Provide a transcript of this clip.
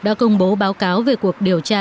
đã công bố báo cáo về cuộc điều tra